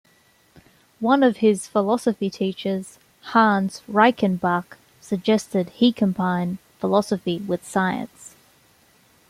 One of his philosophy teachers, Hans Reichenbach, suggested he combine philosophy with science.